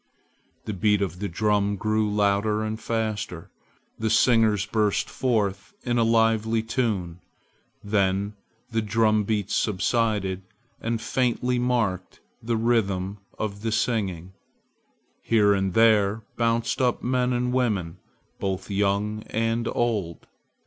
The beat of the drum grew louder and faster. The singers burst forth in a lively tune. Then the drumbeats subsided and faintly marked the rhythm of the singing. Here and there bounced up men and women, both young and old.